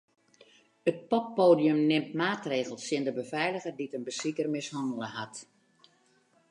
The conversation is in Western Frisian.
It poppoadium nimt maatregels tsjin de befeiliger dy't in besiker mishannele hat.